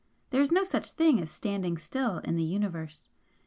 There is no such thing as 'standing still' in the Universe.